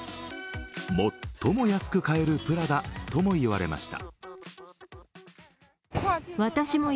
最も安く買えるプラダとも言われました。